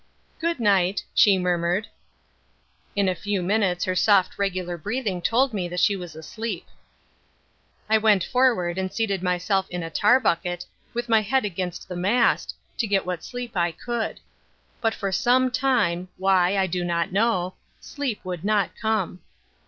"Good night," she murmured. In a few minutes her soft regular breathing told me that she was asleep. I went forward and seated myself in a tar bucket, with my head against the mast, to get what sleep I could. But for some time why, I do not know sleep would not come.